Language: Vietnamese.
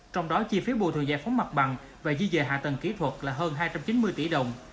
trong đó chi phí bù thường giải phóng mặt bằng và di dời hạ tầng kỹ thuật là hơn hai trăm chín mươi tỷ đồng